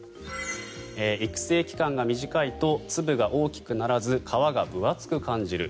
育成期間が短いと粒が大きくならず皮が分厚く感じる。